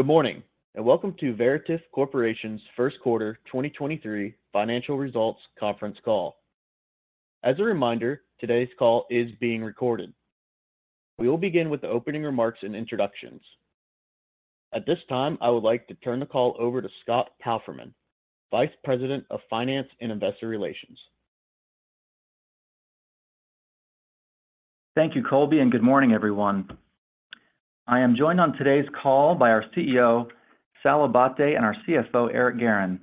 Good morning, welcome to Veritiv Corporation's first quarter 2023 financial results conference call. As a reminder, today's call is being recorded. We will begin with the opening remarks and introductions. At this time, I would like to turn the call over to Scott Palfreeman, Vice President of Finance and Investor Relations. Thank you, Colby. Good morning, everyone. I am joined on today's call by our CEO, Sal Abbate, and our CFO, Eric Guerin.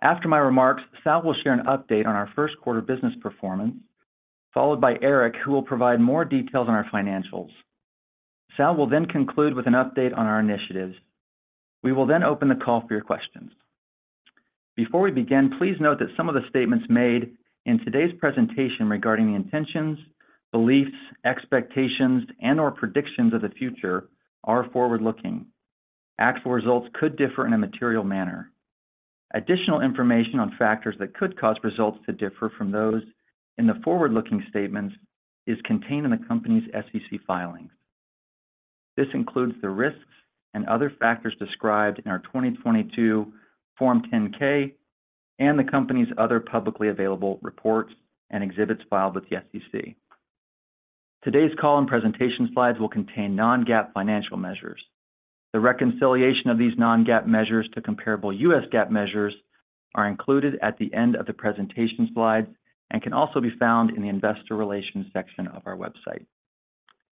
After my remarks, Sal will share an update on our first quarter business performance, followed by Eric, who will provide more details on our financials. Sal will then conclude with an update on our initiatives. We will then open the call for your questions. Before we begin, please note that some of the statements made in today's presentation regarding the intentions, beliefs, expectations, and/or predictions of the future are forward-looking. Actual results could differ in a material manner. Additional information on factors that could cause results to differ from those in the forward-looking statements is contained in the company's SEC filings. This includes the risks and other factors described in our 2022 Form 10-K and the company's other publicly available reports and exhibits filed with the SEC. Today's call and presentation slides will contain non-GAAP financial measures. The reconciliation of these non-GAAP measures to comparable U.S. GAAP measures are included at the end of the presentation slides and can also be found in the investor relations section of our website.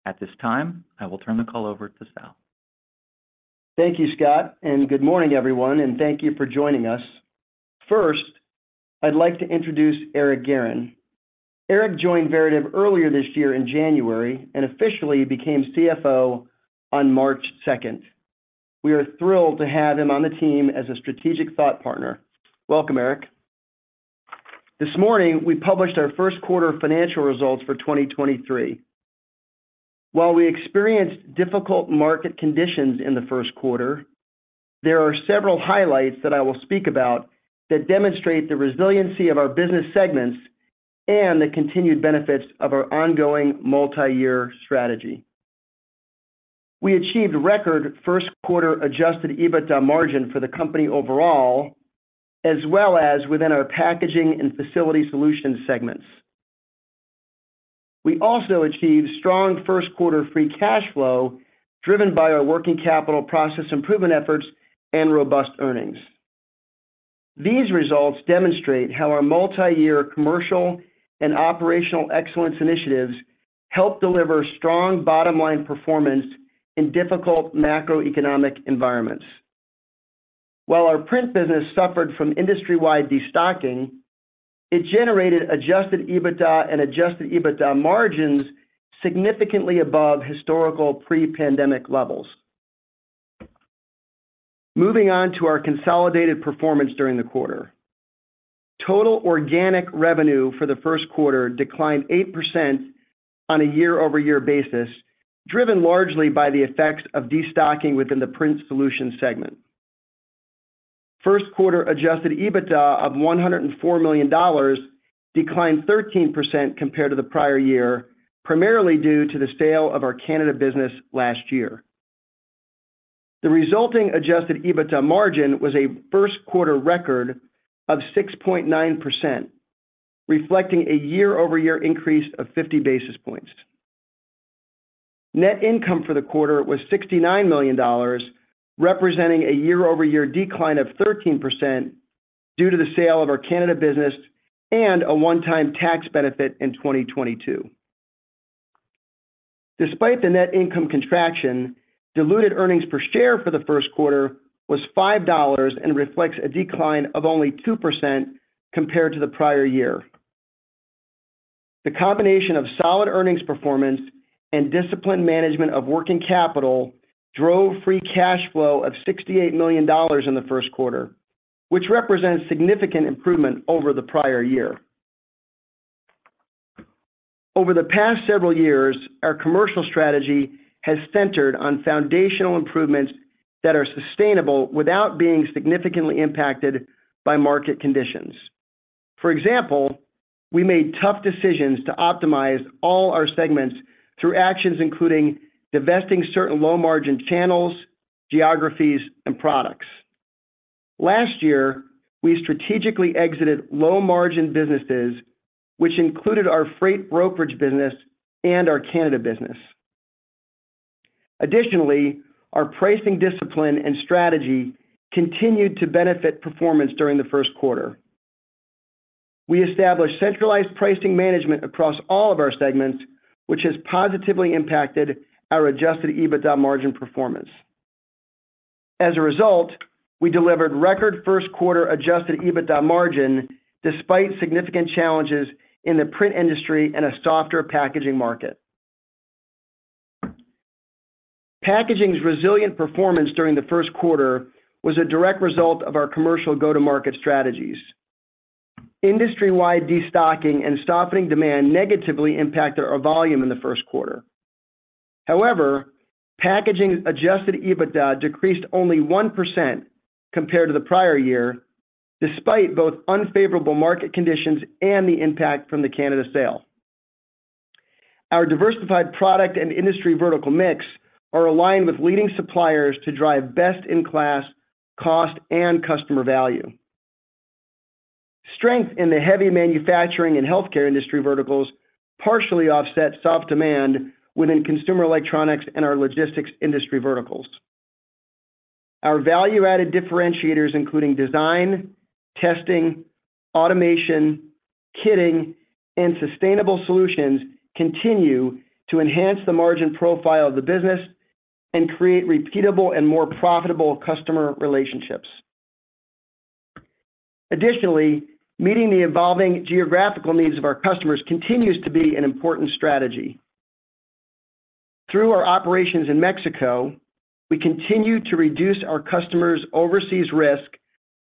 At this time, I will turn the call over to Sal. Thank you, Scott. Good morning, everyone, and thank you for joining us. First, I'd like to introduce Eric Guerin. Eric joined Veritiv earlier this year in January and officially became CFO on March second. We are thrilled to have him on the team as a strategic thought partner. Welcome, Eric. This morning, we published our first quarter financial results for 2023. While we experienced difficult market conditions in the first quarter, there are several highlights that I will speak about that demonstrate the resiliency of our business segments and the continued benefits of our ongoing multi-year strategy. We achieved record first quarter Adjusted EBITDA margin for the company overall, as well as within our Packaging and Facility Solutions segments. We also achieved strong first quarter free cash flow driven by our working capital process improvement efforts and robust earnings. These results demonstrate how our multi-year commercial and operational excellence initiatives help deliver strong bottom-line performance in difficult macroeconomic environments. While our print business suffered from industry-wide destocking, it generated Adjusted EBITDA and Adjusted EBITDA margins significantly above historical pre-pandemic levels. Moving on to our consolidated performance during the quarter. Total organic revenue for the first quarter declined 8% on a year-over-year basis, driven largely by the effects of destocking within the Print Solutions segment. First quarter Adjusted EBITDA of $104 million declined 13% compared to the prior year, primarily due to the sale of our Canada business last year. The resulting Adjusted EBITDA margin was a first quarter record of 6.9%, reflecting a year-over-year increase of 50 basis points. Net income for the quarter was $69 million, representing a year-over-year decline of 13% due to the sale of our Canada business and a one-time tax benefit in 2022. Despite the net income contraction, diluted earnings per share for the first quarter was $5 and reflects a decline of only 2% compared to the prior year. The combination of solid earnings performance and disciplined management of working capital drove free cash flow of $68 million in the first quarter, which represents significant improvement over the prior year. Over the past several years, our commercial strategy has centered on foundational improvements that are sustainable without being significantly impacted by market conditions. For example, we made tough decisions to optimize all our segments through actions including divesting certain low-margin channels, geographies, and products. Last year, we strategically exited low-margin businesses, which included our freight brokerage business and our Canada business. Our pricing discipline and strategy continued to benefit performance during the first quarter. We established centralized pricing management across all of our segments, which has positively impacted our Adjusted EBITDA margin performance. As a result, we delivered record first quarter Adjusted EBITDA margin despite significant challenges in the print industry and a softer packaging market. Packaging's resilient performance during the first quarter was a direct result of our commercial go-to-market strategies. Industry-wide destocking and softening demand negatively impacted our volume in the first quarter. Packaging's Adjusted EBITDA decreased only 1% compared to the prior year, despite both unfavorable market conditions and the impact from the Canada sale. Our diversified product and industry vertical mix are aligned with leading suppliers to drive best-in-class cost and customer value. Strength in the heavy manufacturing and healthcare industry verticals partially offset soft demand within consumer electronics and our logistics industry verticals. Our value-added differentiators, including design, testing, automation, kitting, and sustainable solutions, continue to enhance the margin profile of the business and create repeatable and more profitable customer relationships. Meeting the evolving geographical needs of our customers continues to be an important strategy. Through our operations in Mexico, we continue to reduce our customers' overseas risk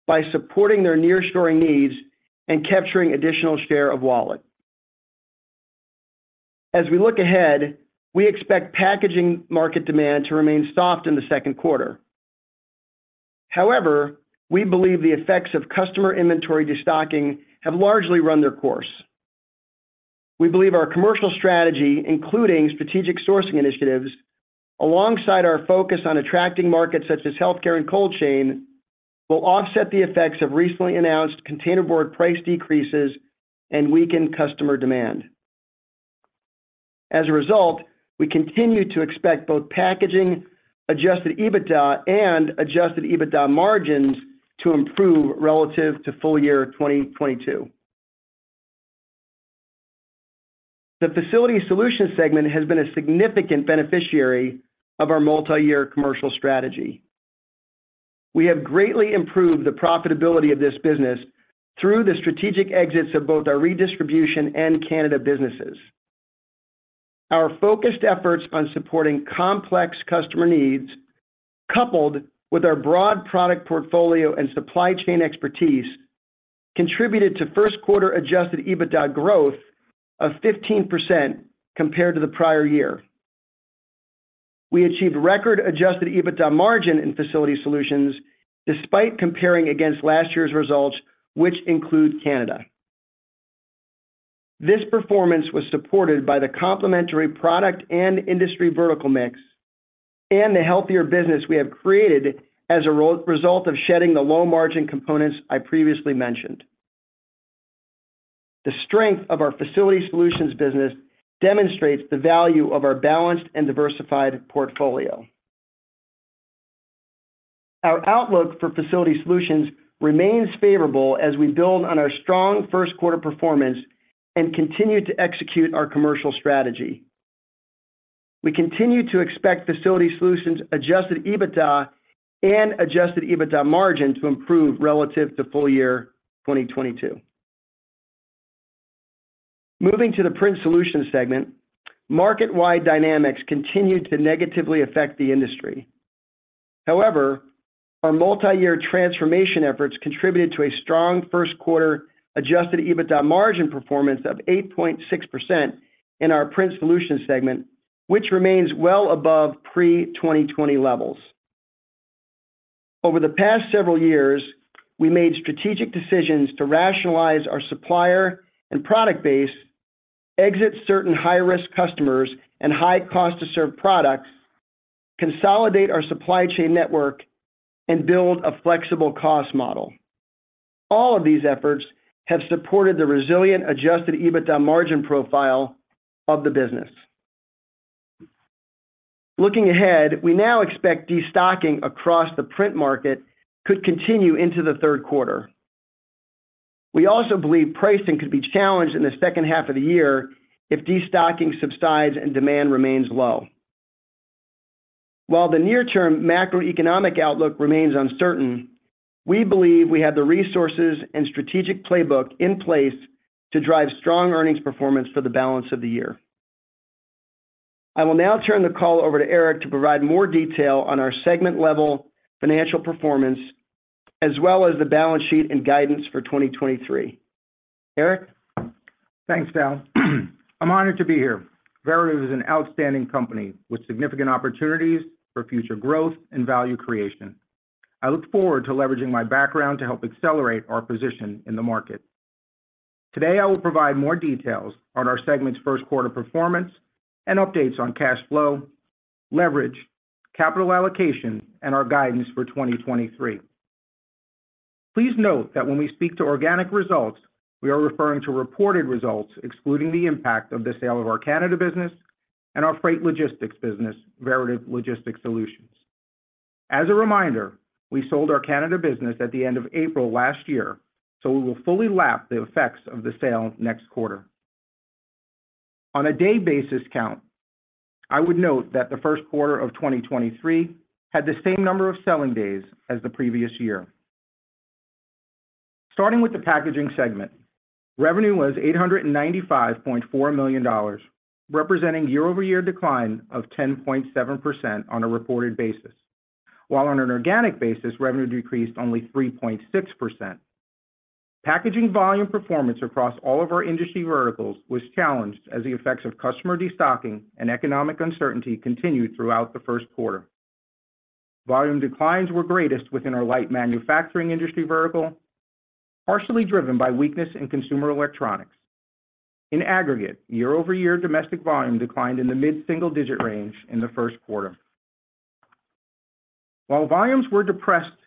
by supporting their nearshoring needs and capturing additional share of wallet. As we look ahead, we expect Packaging market demand to remain soft in the second quarter. We believe the effects of customer inventory destocking have largely run their course. We believe our commercial strategy, including strategic sourcing initiatives, alongside our focus on attracting markets such as healthcare and cold chain, will offset the effects of recently announced containerboard price decreases and weakened customer demand. As a result, we continue to expect both Packaging, Adjusted EBITDA, and Adjusted EBITDA margins to improve relative to full year 2022. The Facility Solutions segment has been a significant beneficiary of our multi-year commercial strategy. We have greatly improved the profitability of this business through the strategic exits of both our redistribution and Canada businesses. Our focused efforts on supporting complex customer needs, coupled with our broad product portfolio and supply chain expertise, contributed to first quarter Adjusted EBITDA growth of 15% compared to the prior year. We achieved record Adjusted EBITDA margin in Facility Solutions despite comparing against last year's results, which include Canada. This performance was supported by the complementary product and industry vertical mix and the healthier business we have created as a result of shedding the low-margin components I previously mentioned. The strength of our Facility Solutions business demonstrates the value of our balanced and diversified portfolio. Our outlook for Facility Solutions remains favorable as we build on our strong first quarter performance and continue to execute our commercial strategy. We continue to expect Facility Solutions Adjusted EBITDA and Adjusted EBITDA margin to improve relative to full year 2022. Moving to the Print Solutions segment, market-wide dynamics continued to negatively affect the industry. Our multi year transformation efforts contributed to a strong first quarter Adjusted EBITDA margin performance of 8.6% in our Print Solutions segment, which remains well above pre-2020 levels. Over the past several years, we made strategic decisions to rationalize our supplier and product base, exit certain high-risk customers and high cost to serve products, consolidate our supply chain network, and build a flexible cost model. All of these efforts have supported the resilient Adjusted EBITDA margin profile of the business. Looking ahead, we now expect destocking across the print market could continue into the third quarter. We also believe pricing could be challenged in the second half of the year if destocking subsides and demand remains low. While the near-term macroeconomic outlook remains uncertain, we believe we have the resources and strategic playbook in place to drive strong earnings performance for the balance of the year. I will now turn the call over to Eric to provide more detail on our segment-level financial performance, as well as the balance sheet and guidance for 2023. Eric? Thanks, Sal. I'm honored to be here. Veritiv is an outstanding company with significant opportunities for future growth and value creation. I look forward to leveraging my background to help accelerate our position in the market. Today, I will provide more details on our segment's first quarter performance and updates on cash flow, leverage, capital allocation, and our guidance for 2023. Please note that when we speak to organic results, we are referring to reported results excluding the impact of the sale of our Canada business and our freight logistics business, Veritiv Logistics Solutions. As a reminder, we sold our Canada business at the end of April last year, so we will fully lap the effects of the sale next quarter. On a day basis count, I would note that the first quarter of 2023 had the same number of selling days as the previous year. Starting with the Packaging segment, revenue was $895.4 million, representing year-over-year decline of 10.7% on a reported basis. While on an organic basis, revenue decreased only 3.6%. Packaging volume performance across all of our industry verticals was challenged as the effects of customer destocking and economic uncertainty continued throughout the first quarter. Volume declines were greatest within our light manufacturing industry vertical, partially driven by weakness in consumer electronics. In aggregate, year-over-year domestic volume declined in the mid-single digit range in the first quarter. While volumes were depressed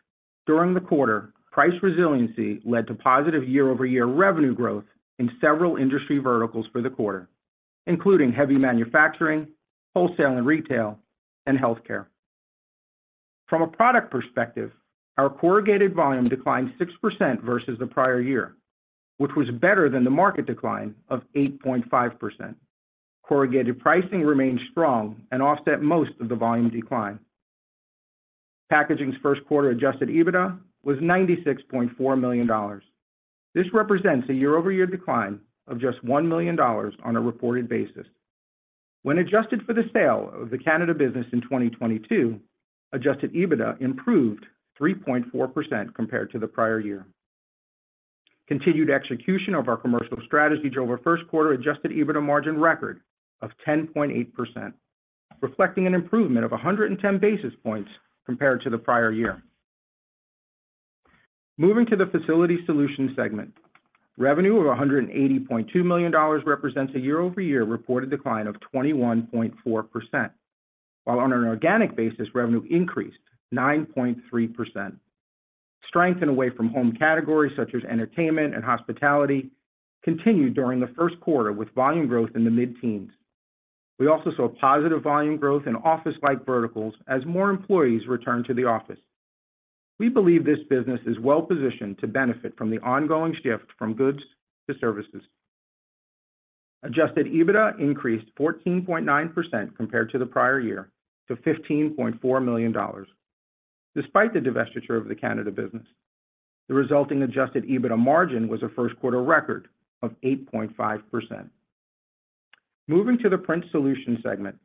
during the quarter, price resiliency led to positive year-over-year revenue growth in several industry verticals for the quarter, including heavy manufacturing, wholesale and retail, and healthcare. From a product perspective, our corrugated volume declined 6% versus the prior year, which was better than the market decline of 8.5%. Corrugated pricing remained strong and offset most of the volume decline. Packaging's first quarter Adjusted EBITDA was $96.4 million. This represents a year-over-year decline of just $1 million on a reported basis. When adjusted for the sale of the Canada business in 2022, Adjusted EBITDA improved 3.4% compared to the prior year. Continued execution of our commercial strategy drove a first quarter Adjusted EBITDA margin record of 10.8%, reflecting an improvement of 110 basis points compared to the prior year. Moving to the Facility Solutions segment. Revenue of $180.2 million represents a year-over-year reported decline of 21.4%. While on an organic basis, revenue increased 9.3%. Strength in away from home categories such as entertainment and hospitality continued during the first quarter with volume growth in the mid-teens. We also saw positive volume growth in office-like verticals as more employees returned to the office. We believe this business is well-positioned to benefit from the ongoing shift from goods to services. Adjusted EBITDA increased 14.9% compared to the prior year to $15.4 million. Despite the divestiture of the Canada business, the resulting Adjusted EBITDA margin was a first quarter record of 8.5%. Moving to the Print Solutions segment.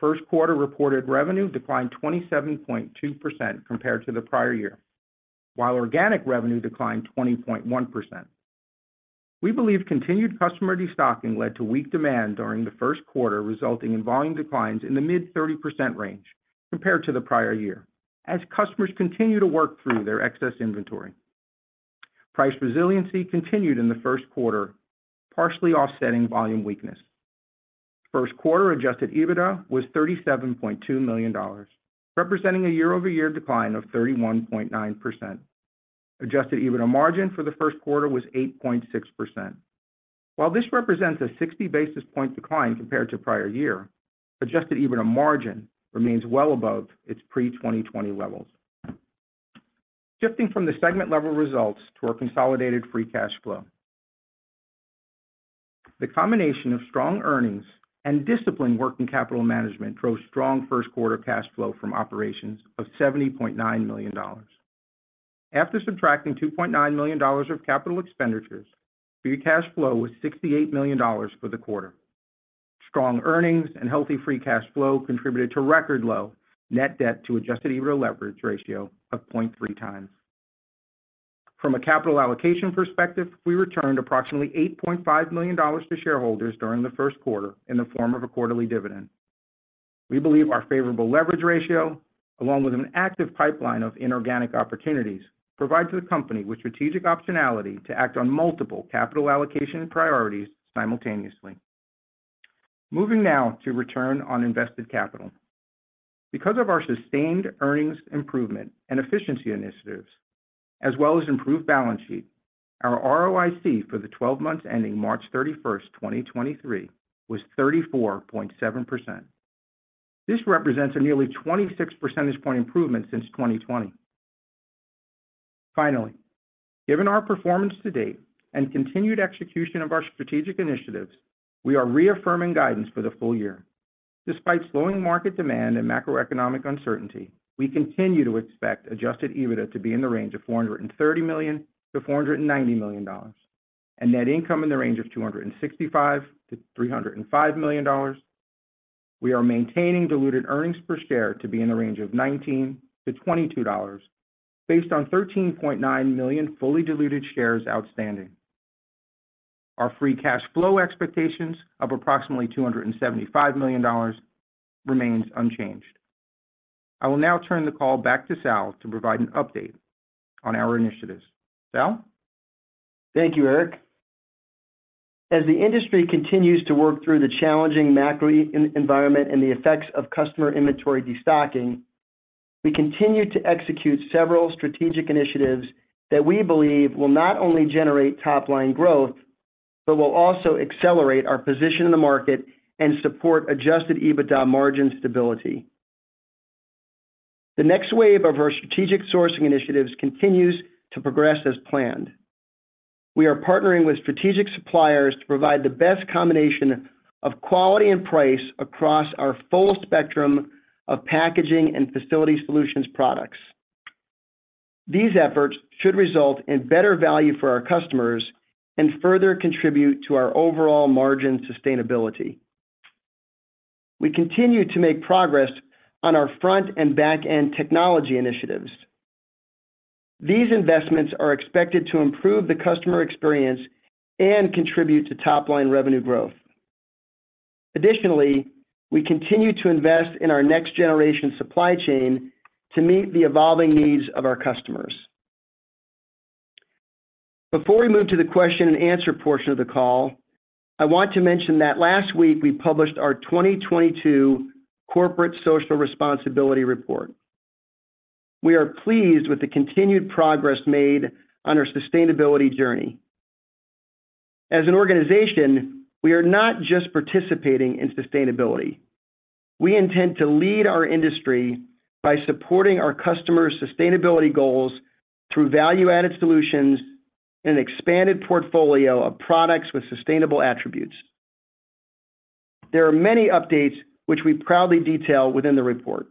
First quarter reported revenue declined 27.2% compared to the prior year, while organic revenue declined 20.1%. We believe continued customer destocking led to weak demand during the first quarter, resulting in volume declines in the mid-30% range compared to the prior year, as customers continue to work through their excess inventory. Price resiliency continued in the first quarter, partially offsetting volume weakness. First quarter Adjusted EBITDA was $37.2 million, representing a year-over-year decline of 31.9%. Adjusted EBITDA margin for the first quarter was 8.6%. This represents a 60 basis point decline compared to prior year, Adjusted EBITDA margin remains well above its pre-2020 levels. Shifting from the segment level results to our consolidated free cash flow. The combination of strong earnings and disciplined working capital management drove strong first quarter cash flow from operations of $70.9 million. After subtracting $2.9 million of capital expenditures, free cash flow was $68 million for the quarter. Strong earnings and healthy free cash flow contributed to record low net debt to Adjusted EBITDA leverage ratio of 0.3x. From a capital allocation perspective, we returned approximately $8.5 million to shareholders during the first quarter in the form of a quarterly dividend. We believe our favorable leverage ratio, along with an active pipeline of inorganic opportunities, provide the company with strategic optionality to act on multiple capital allocation priorities simultaneously. Moving now to return on invested capital. Because of our sustained earnings improvement and efficiency initiatives, as well as improved balance sheet, our ROIC for the 12 months ending March 31st, 2023 was 34.7%. This represents a nearly 26 percentage point improvement since 2020. Finally, given our performance to date and continued execution of our strategic initiatives, we are reaffirming guidance for the full year. Despite slowing market demand and macroeconomic uncertainty, we continue to expect Adjusted EBITDA to be in the range of $430 million-$490 million, and net income in the range of $265 million-$305 million. We are maintaining diluted earnings per share to be in the range of $19-$22 based on 13.9 million fully diluted shares outstanding. Our free cash flow expectations of approximately $275 million remains unchanged. I will now turn the call back to Sal to provide an update on our initiatives. Sal? Thank you, Eric. As the industry continues to work through the challenging macro environment and the effects of customer inventory destocking, we continue to execute several strategic initiatives that we believe will not only generate top-line growth, but will also accelerate our position in the market and support Adjusted EBITDA margin stability. The next wave of our strategic sourcing initiatives continues to progress as planned. We are partnering with strategic suppliers to provide the best combination of quality and price across our full spectrum of Packaging and Facility Solutions products. These efforts should result in better value for our customers and further contribute to our overall margin sustainability. We continue to make progress on our front and back-end technology initiatives. These investments are expected to improve the customer experience and contribute to top-line revenue growth. Additionally, we continue to invest in our next generation supply chain to meet the evolving needs of our customers. Before we move to the question and answer portion of the call, I want to mention that last week we published our 2022 Corporate Social Responsibility Report. We are pleased with the continued progress made on our sustainability journey. As an organization, we are not just participating in sustainability. We intend to lead our industry by supporting our customers' sustainability goals through value-added solutions and expanded portfolio of products with sustainable attributes. There are many updates which we proudly detail within the report.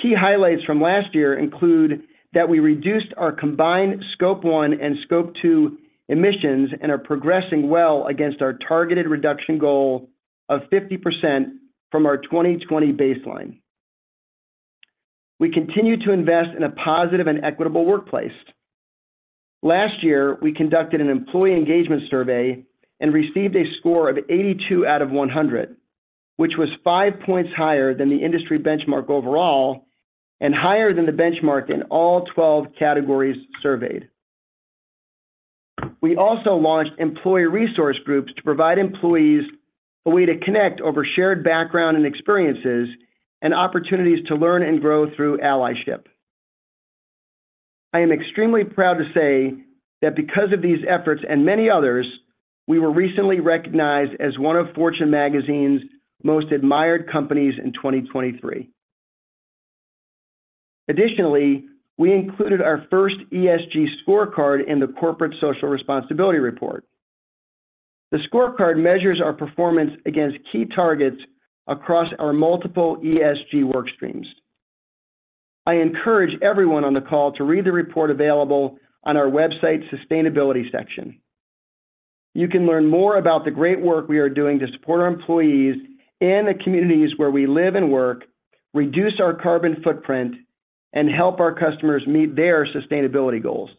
Key highlights from last year include that we reduced our combined Scope 1 and Scope 2 emissions, and are progressing well against our targeted reduction goal of 50% from our 2020 baseline. We continue to invest in a positive and equitable workplace. Last year, we conducted an employee engagement survey and received a score of 82 out of 100, which was 5 points higher than the industry benchmark overall and higher than the benchmark in all 12 categories surveyed. We also launched employee resource groups to provide employees a way to connect over shared background and experiences and opportunities to learn and grow through allyship. I am extremely proud to say that because of these efforts and many others, we were recently recognized as one of Fortune Magazine's most admired companies in 2023. We included our first ESG scorecard in the Corporate Social Responsibility Report. The scorecard measures our performance against key targets across our multiple ESG work streams. I encourage everyone on the call to read the report available on our website sustainability section. You can learn more about the great work we are doing to support our employees in the communities where we live and work, reduce our carbon footprint, and help our customers meet their sustainability goals.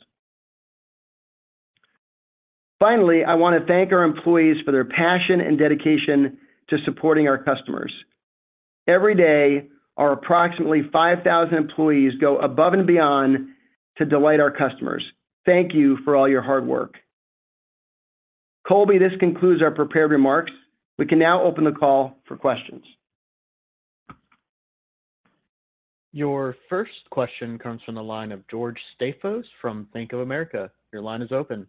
I wanna thank our employees for their passion and dedication to supporting our customers. Every day, our approximately 5,000 employees go above and beyond to delight our customers. Thank you for all your hard work. Colby, this concludes our prepared remarks. We can now open the call for questions. Your first question comes from the line of George Staphos from Bank of America. Your line is open.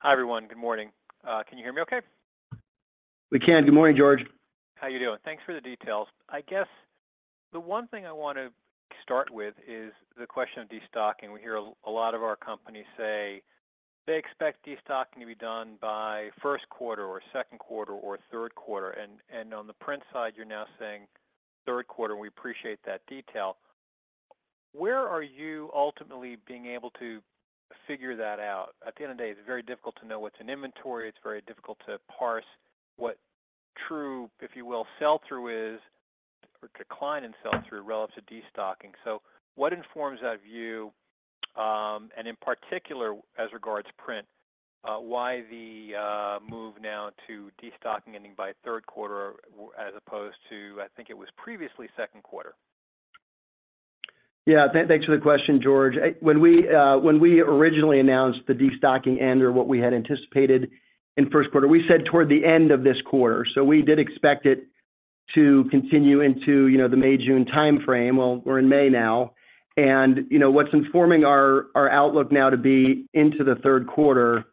Hi, everyone. Good morning. Can you hear me okay? We can. Good morning, George. How you doing? Thanks for the details. I guess the one thing I wanna start with is the question of destocking. We hear a lot of our companies say they expect destocking to be done by first quarter or second quarter or third quarter. On the print side, you're now saying third quarter, and we appreciate that detail. Where are you ultimately being able to figure that out? At the end of the day, it's very difficult to know what's in inventory. It's very difficult to parse what true, if you will sell-through is or decline in sell-through relative to destocking. What informs that view, and in particular as regards print, why the move now to destocking ending by third quarter as opposed to, I think it was previously second quarter? Thanks for the question, George. When we originally announced the destocking end or what we had anticipated in first quarter, we said toward the end of this quarter. We did expect it to continue into, you know, the May-June timeframe. We're in May now. You know, what's informing our outlook now to be into the third quarter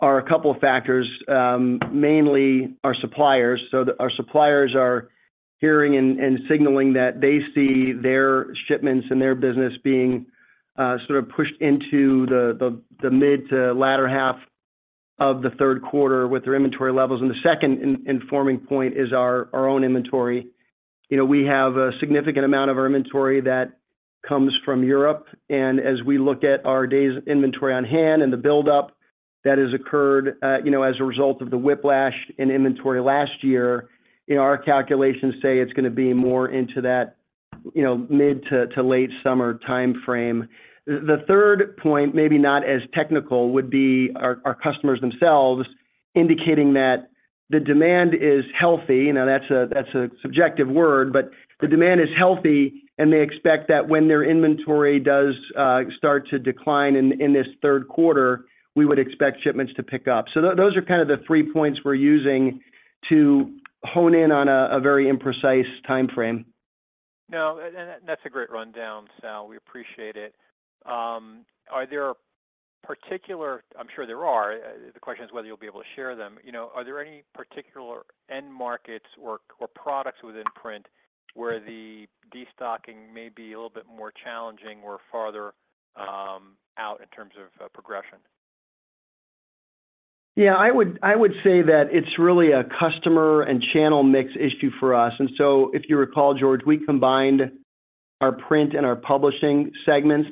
are a couple factors, mainly our suppliers. Our suppliers are hearing and signaling that they see their shipments and their business being sort of pushed into the mid to latter half of the third quarter with their inventory levels. The second informing point is our own inventory. You know, we have a significant amount of inventory that comes from Europe, and as we look at our days inventory on hand and the buildup that has occurred, you know, as a result of the whiplash in inventory last year, you know, our calculations say it's gonna be more into that, you know, mid to late summer timeframe. The third point, maybe not as technical, would be our customers themselves indicating that the demand is healthy. Now, that's a subjective word, but the demand is healthy, and they expect that when their inventory does start to decline in this third quarter, we would expect shipments to pick up. Those are kind of the three points we're using to hone in on a very imprecise timeframe. No, and that's a great rundown, Sal. We appreciate it. Are there particular... I'm sure there are. The question is whether you'll be able to share them. You know, are there any particular end markets or products within Print where the destocking may be a little bit more challenging or farther out in terms of progression? Yeah, I would say that it's really a customer and channel mix issue for us. If you recall, George, we combined our print and our publishing segments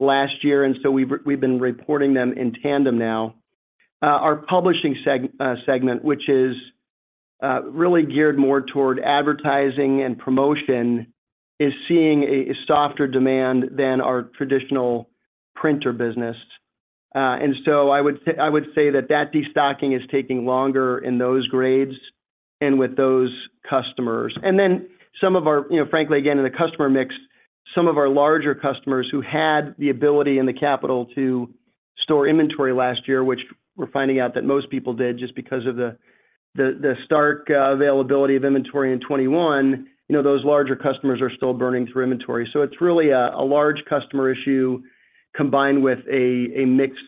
last year, so we've been reporting them in tandem now. Our publishing segment, which is really geared more toward advertising and promotion is seeing a softer demand than our traditional printer business. I would say that destocking is taking longer in those grades and with those customers. Some of our, you know, frankly, again, in the customer mix, some of our larger customers who had the ability and the capital to store inventory last year, which we're finding out that most people did just because of the stark availability of inventory in 2021, you know, those larger customers are still burning through inventory. It's really a large customer issue combined with a mixed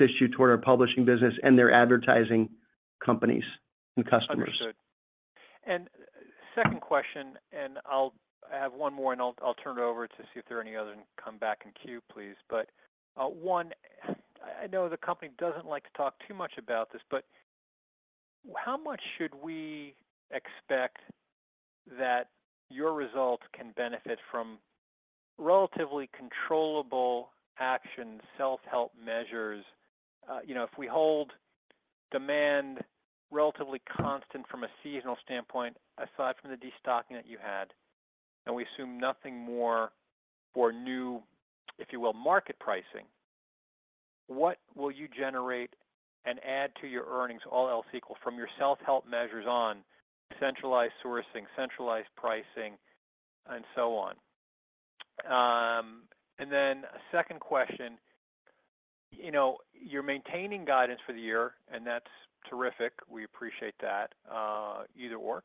issue toward our publishing business and their advertising companies and customers. Understood. Second question, I'll have one more, and I'll turn it over to see if there are any other and come back in queue, please. One, I know the company doesn't like to talk too much about this, but how much should we expect that your results can benefit from relatively controllable action, self-help measures? You know, if we hold demand relatively constant from a seasonal standpoint, aside from the destocking that you had, and we assume nothing more or new, if you will, market pricing, what will you generate and add to your earnings, all else equal, from your self-help measures on centralized sourcing, centralized pricing, and so on? Then a second question, you know, you're maintaining guidance for the year, and that's terrific. We appreciate that, either or.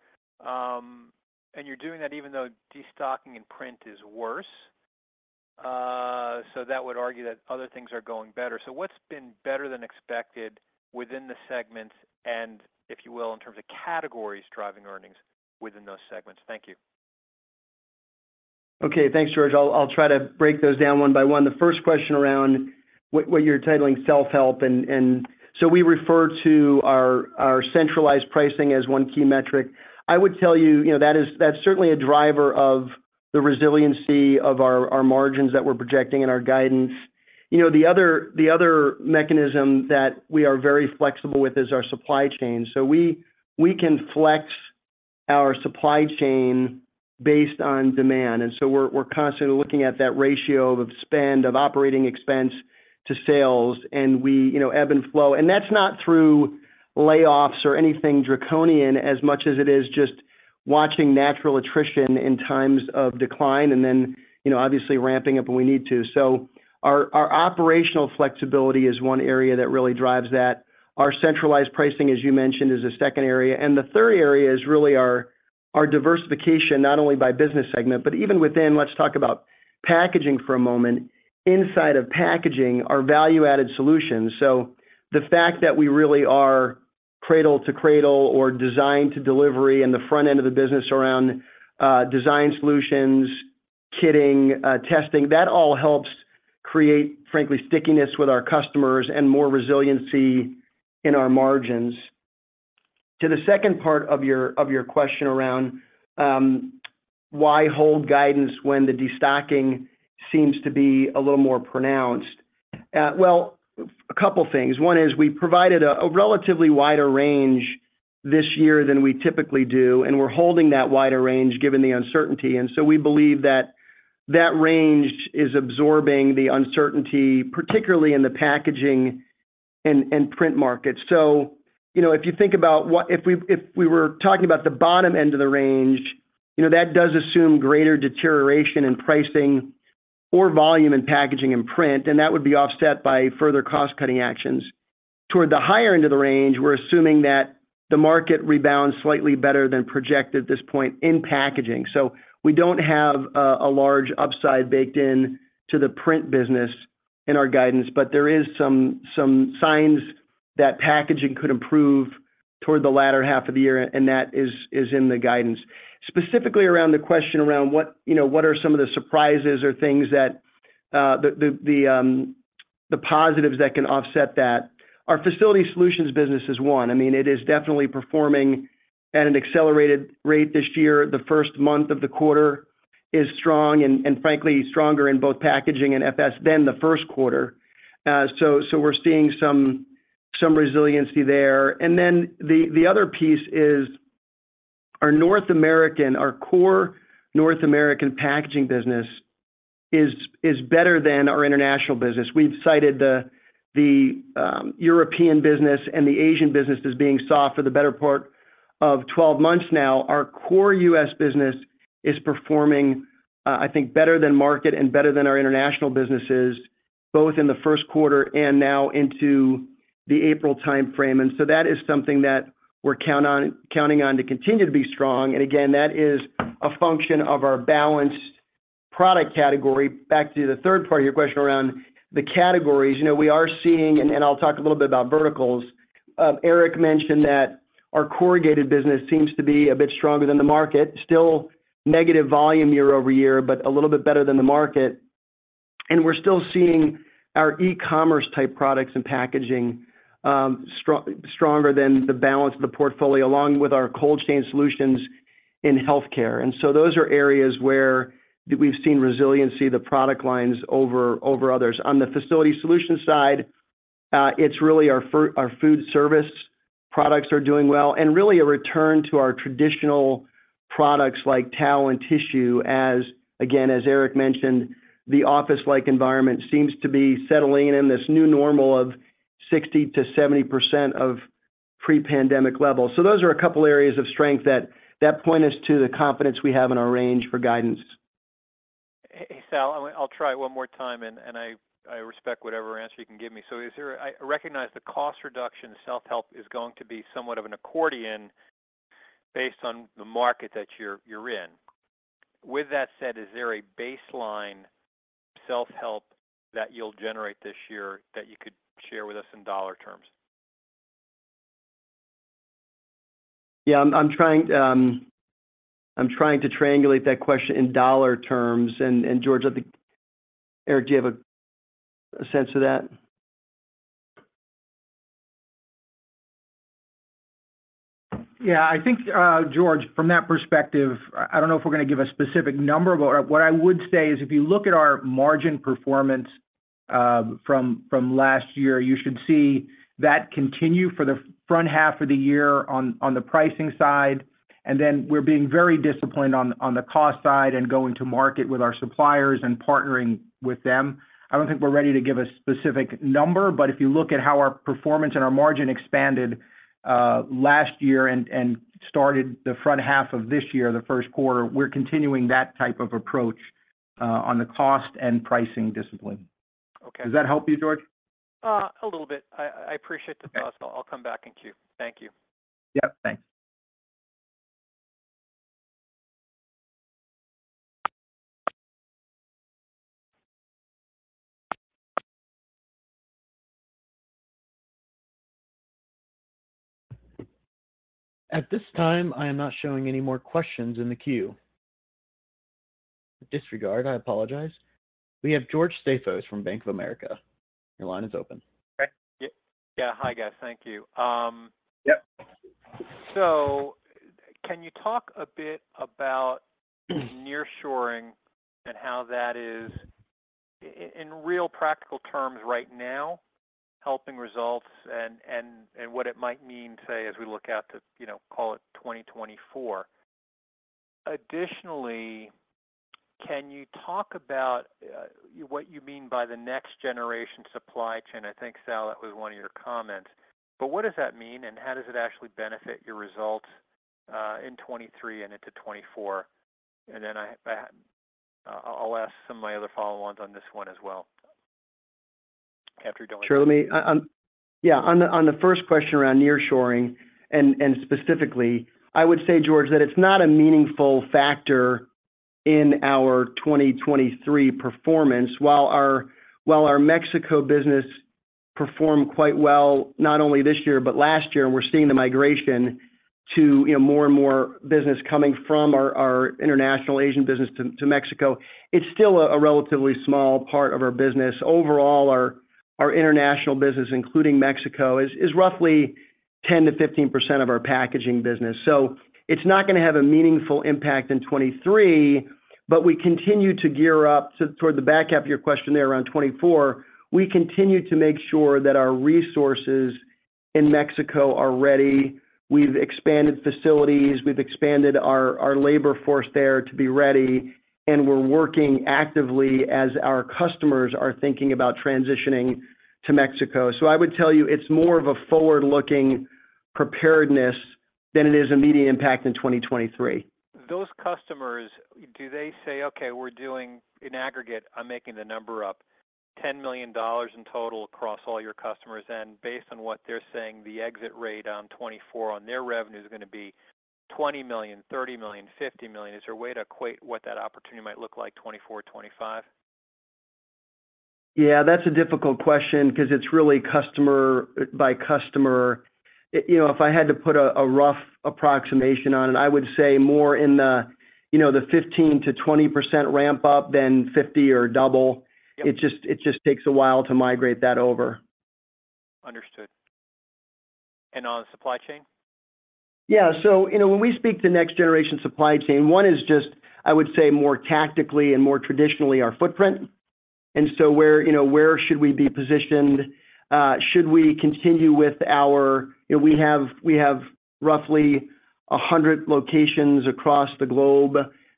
You're doing that even though destocking in Print is worse. That would argue that other things are going better. What's been better than expected within the segments and, if you will, in terms of categories driving earnings within those segments? Thank you. Okay. Thanks, George. I'll try to break those down one by one. The first question around what you're titling self-help and. We refer to our centralized pricing as one key metric. I would tell you know, that is, that's certainly a driver of the resiliency of our margins that we're projecting in our guidance. You know, the other, the other mechanism that we are very flexible with is our supply chain. We're, we're constantly looking at that ratio of spend, of operating expense to sales, and we, you know, ebb and flow. That's not through layoffs or anything draconian as much as it is just watching natural attrition in times of decline and then, you know, obviously ramping up when we need to. Our operational flexibility is one area that really drives that. Our centralized pricing, as you mentioned, is a second area. The third area is really our diversification, not only by business segment, but even within, let's talk about Packaging for a moment. Inside of Packaging are value-added solutions. The fact that we really are cradle to cradle or design to delivery in the front end of the business around design solutions, kitting, testing, that all helps create, frankly, stickiness with our customers and more resiliency in our margins. To the second part of your question around why hold guidance when the destocking seems to be a little more pronounced. Well, couple of things. One is we provided a relatively wider range this year than we typically do, and we're holding that wider range given the uncertainty. We believe that that range is absorbing the uncertainty, particularly in the Packaging and Print markets. You know, if we were talking about the bottom end of the range, you know, that does assume greater deterioration in pricing or volume in packaging and print, and that would be offset by further cost-cutting actions. Toward the higher end of the range, we're assuming that the market rebounds slightly better than projected at this point in packaging. We don't have a large upside baked in to the print business in our guidance, but there is some signs that packaging could improve toward the latter half of the year, and that is in the guidance. Specifically around the question around what, you know, what are some of the surprises or things that the positives that can offset that, our Facility Solutions business is one. I mean, it is definitely performing at an accelerated rate this year. The first month of the quarter is strong and frankly, stronger in both Packaging and FS than the first quarter. So we're seeing some resiliency there. The other piece is our North American, our core North American Packaging business is better than our international business. We've cited the European business and the Asian business as being soft for the better part of 12 months now. Our core U.S. business is performing, I think better than market and better than our international businesses, both in the first quarter and now into the April timeframe. That is something that we're counting on to continue to be strong. Again, that is a function of our balanced product category. Back to the third part of your question around the categories. You know, we are seeing, and I'll talk a little bit about verticals. Eric mentioned that our corrugated business seems to be a bit stronger than the market. Still negative volume year-over-year, but a little bit better than the market. We're still seeing our e-commerce type products and packaging, stronger than the balance of the portfolio, along with our cold chain solutions in healthcare. Those are areas where we've seen resiliency, the product lines over others. On the Facility Solutions side. It's really our food service products are doing well, and really a return to our traditional products like towel and tissue as, again, as Eric mentioned, the office-like environment seems to be settling in this new normal of 60%-70% of pre-pandemic levels. Those are a couple areas of strength that point us to the confidence we have in our range for guidance. Hey, Sal, I'll try one more time, and I respect whatever answer you can give me. I recognize the cost reduction in self-help is going to be somewhat of an accordion based on the market that you're in. With that said, is there a baseline self-help that you'll generate this year that you could share with us in dollar terms? Yeah. I'm trying to triangulate that question in dollar terms. George, I think. Eric, do you have a sense of that? I think, George, from that perspective, I don't know if we're gonna give a specific number, but what I would say is, if you look at our margin performance, from last year, you should see that continue for the front half of the year on the pricing side. Then we're being very disciplined on the cost side and going to market with our suppliers and partnering with them. I don't think we're ready to give a specific number, but if you look at how our performance and our margin expanded last year and started the front half of this year, the first quarter, we're continuing that type of approach on the cost and pricing discipline. Okay. Does that help you, George? A little bit. I appreciate the thought. Okay. I'll come back in queue. Thank you. Yep. Thanks. At this time, I am not showing any more questions in the queue. Disregard, I apologize. We have George Staphos from Bank of America. Your line is open. Okay. Yeah. Hi, guys. Thank you. Yep. Can you talk a bit about nearshoring and how that is in real practical terms right now, helping results and what it might mean, say, as we look out to, you know, call it 2024. Additionally, can you talk about what you mean by the next generation supply chain? I think, Sal, that was one of your comments. What does that mean, and how does it actually benefit your results in 2023 and into 2024? I'll ask some of my other follow-ons on this one as well after you're done with that. Sure. Yeah, on the first question around nearshoring and specifically, I would say, George, that it's not a meaningful factor in our 2023 performance. While our Mexico business performed quite well, not only this year, but last year, and we're seeing the migration to, you know, more and more business coming from our international Asian business to Mexico, it's still a relatively small part of our business. Overall, our international business, including Mexico, is roughly 10%-15% of our Packaging business. It's not gonna have a meaningful impact in 2023. We continue to gear up. Toward the back half of your question there around 2024, we continue to make sure that our resources in Mexico are ready. We've expanded facilities, we've expanded our labor force there to be ready, and we're working actively as our customers are thinking about transitioning to Mexico. I would tell you, it's more of a forward-looking preparedness than it is immediate impact in 2023. Those customers, do they say, "Okay, we're doing an aggregate," I'm making the number up, $10 million in total across all your customers, and based on what they're saying, the exit rate on 2024 on their revenue is gonna be $20 million, $30 million, $50 million? Is there a way to equate what that opportunity might look like 2024, 2025? Yeah, that's a difficult question because it's really customer by customer. You know, if I had to put a rough approximation on it, I would say more in the, you know, the 15%-20% ramp-up than 50 or double. Yep. It just takes a while to migrate that over. Understood. On supply chain? Yeah. You know, when we speak to next-generation supply chain, one is just, I would say, more tactically and more traditionally our footprint. Where, you know, where should we be positioned? Should we continue with our. You know, we have roughly 100 locations across the globe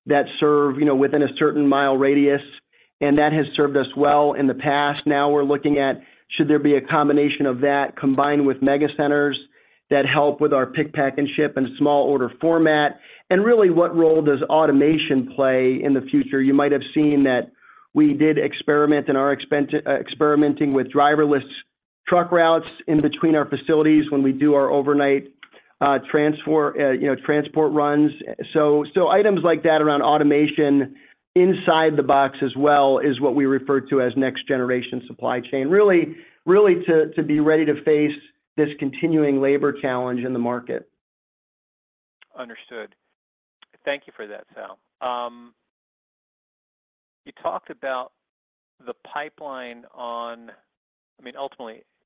that serve, you know, within a certain mile radius, and that has served us well in the past. Now we're looking at should there be a combination of that combined with mega centers that help with our pick, pack, and ship in a small order format? Really, what role does automation play in the future? You might have seen that we did experiment in our experimenting with driverless truck routes in between our facilities when we do our overnight transport, you know, transport runs. Items like that around automation inside the box as well is what we refer to as next generation supply chain. Really to be ready to face this continuing labor challenge in the market. Understood. Thank you for that, Sal.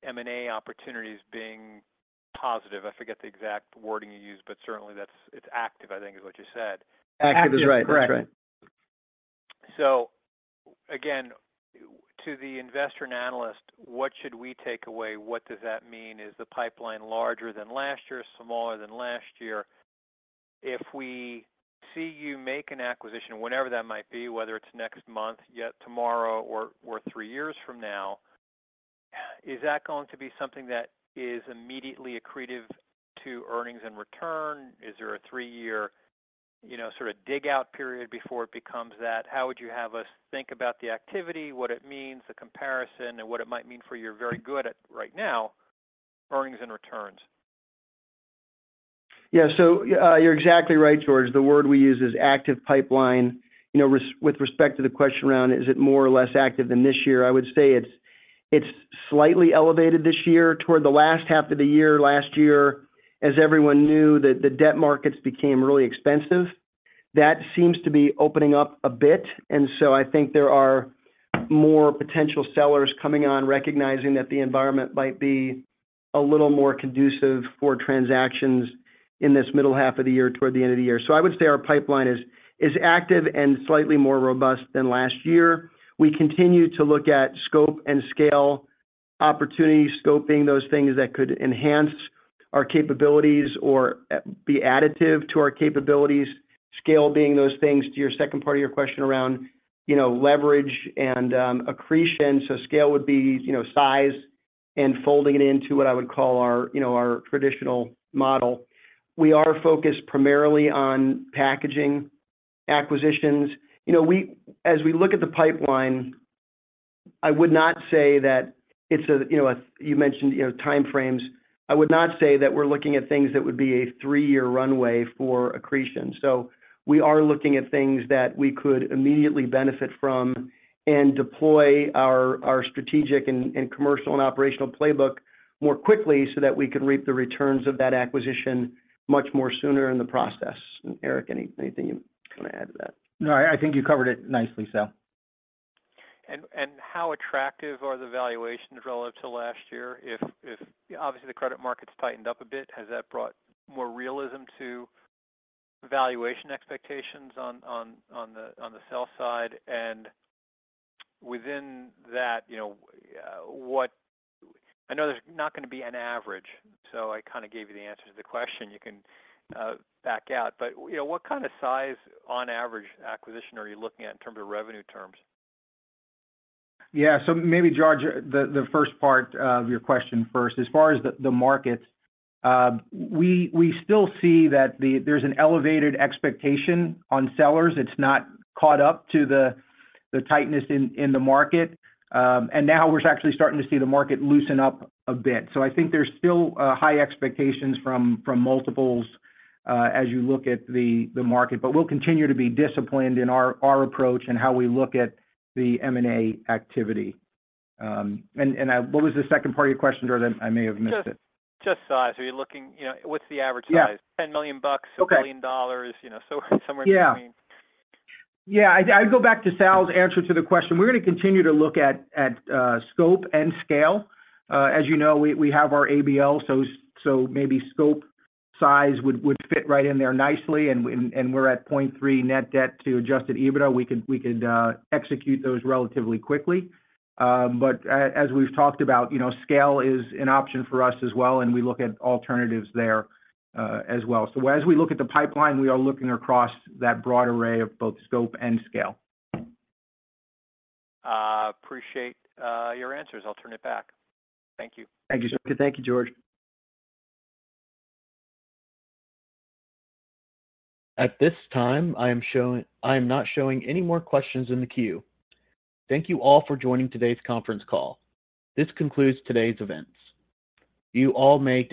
You talked about the pipeline on, I mean, ultimately M&A opportunities being positive. I forget the exact wording you used, but certainly it's active, I think is what you said. Active is right. Active, correct. That's right. Again, to the investor and analyst, what should we take away? What does that mean? Is the pipeline larger than last year, smaller than last year? If we see you make an acquisition, whenever that might be, whether it's next month, yet tomorrow, or three years from now, is that going to be something that is immediately accretive to earnings and return? Is there a three year, you know, sort of dig out period before it becomes that? How would you have us think about the activity, what it means, the comparison, and what it might mean for you're very good at right now, earnings and returns? You're exactly right, George. The word we use is active pipeline. You know, with respect to the question around is it more or less active than this year, I would say it's slightly elevated this year. Toward the last half of the year last year, as everyone knew that the debt markets became really expensive. That seems to be opening up a bit. I think there are more potential sellers coming on recognizing that the environment might be a little more conducive for transactions in this middle half of the year, toward the end of the year. I would say our pipeline is active and slightly more robust than last year. We continue to look at scope and scale opportunities, scoping those things that could enhance our capabilities or be additive to our capabilities. Scale being those things to your second part of your question around, you know, leverage and accretion. Scale would be, you know, size and folding it into what I would call our, you know, our traditional model. We are focused primarily on packaging acquisitions. You know, as we look at the pipeline, I would not say that it's a, you know. You mentioned, you know, time frames. I would not say that we're looking at things that would be a three year runway for accretion. We are looking at things that we could immediately benefit from and deploy our strategic and commercial and operational playbook more quickly so that we can reap the returns of that acquisition much more sooner in the process. Eric, anything you wanna add to that? No, I think you covered it nicely, Sal. How attractive are the valuations relative to last year? If obviously the credit markets tightened up a bit, has that brought more realism to valuation expectations on the sell side? Within that, you know, what I know there's not gonna be an average, so I kinda gave you the answer to the question. You can back out. You know, what kind of size on average acquisition are you looking at in terms of revenue terms? Yeah. Maybe, George, the first part of your question first. As far as the markets, we still see that there's an elevated expectation on sellers. It's not caught up to the tightness in the market. Now we're actually starting to see the market loosen up a bit. I think there's still high expectations from multiples, as you look at the market. We'll continue to be disciplined in our approach and how we look at the M&A activity. What was the second part of your question, George? I may have missed it. Just size. You know, what's the average size? Yeah. $10 million. Okay. $1 billion, you know, so somewhere in between. Yeah. Yeah. I'd go back to Sal's answer to the question. We're gonna continue to look at scope and scale. As you know, we have our ABL, so maybe scope size would fit right in there nicely. We're at 0.3 net debt to Adjusted EBITDA. We could execute those relatively quickly. As we've talked about, you know, scale is an option for us as well, and we look at alternatives there as well. As we look at the pipeline, we are looking across that broad array of both scope and scale. Appreciate your answers. I'll turn it back. Thank you. Thank you, George. At this time, I am not showing any more questions in the queue. Thank you all for joining today's conference call. This concludes today's events.